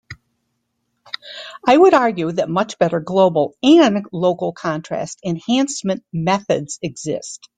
I would argue that much better global and local contrast enhancement methods exist.